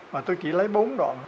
mà tôi chỉ lấy bốn đoạn